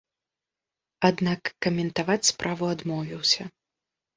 Аднак каментаваць справу адмовіўся.